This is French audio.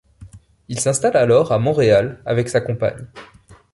Il s'installe alors à Montréal avec sa compagne.